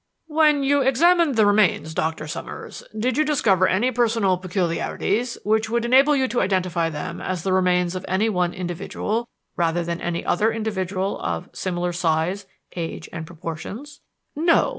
"When you examined these remains, Doctor Summers, did you discover any personal peculiarities which would enable you to identify them as the remains of any one individual rather than any other individual of similar size, age, and proportions?" "No.